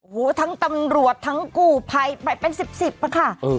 โหทั้งตำรวจทั้งกู่ภัยไปเป็นสิบป่ะค่ะอืม